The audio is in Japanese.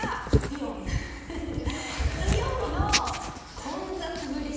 イオンの混雑ぶり